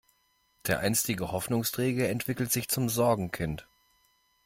Der einstige Hoffnungsträger entwickelt sich zum Sorgenkind.